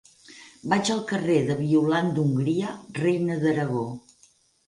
Vaig al carrer de Violant d'Hongria Reina d'Aragó.